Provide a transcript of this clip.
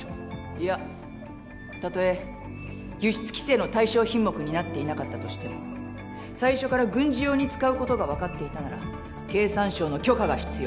いやたとえ輸出規制の対象品目になっていなかったとしても最初から軍事用に使うことがわかっていたなら経産省の許可が必要。